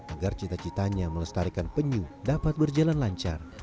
agar cita citanya melestarikan penyu dapat berjalan lancar